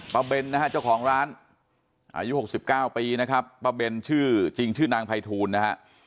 ป้าเบนนะครับเจ้าของร้านอายุหกสิบเก้าปีนะครับป้าเบนชื่อจริงชื่อนางไพทูลนะครับ